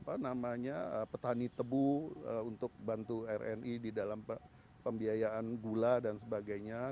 kami juga membiayai nasabah petani tebu untuk bantu rni di dalam pembiayaan gula dan sebagainya